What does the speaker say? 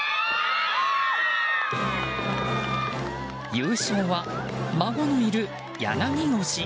優勝は、孫のいる柳腰。